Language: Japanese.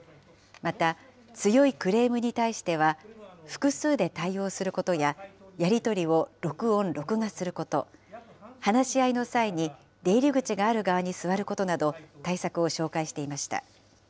また、強いクレームに対しては、複数で対応することや、やり取りを録音・録画すること、話し合いの際に出入口がある側に座ることなど、対策を紹介していました。